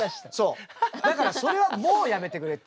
だからそれはもうやめてくれってもう言わないで。